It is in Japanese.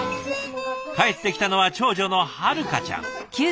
帰ってきたのは長女の榛香ちゃん。